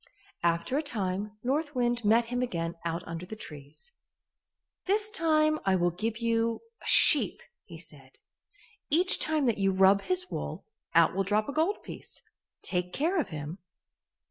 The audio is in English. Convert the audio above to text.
After a time North Wind met him again out under the trees. "This time I will give you a sheep," he said. "Each time that you rub his wool, out will drop a gold piece. Take care of him."